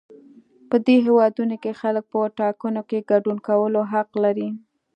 په دې هېوادونو کې خلک په ټاکنو کې ګډون کولو حق لري.